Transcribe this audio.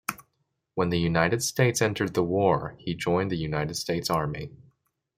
When the United States entered the war he joined the United States Army.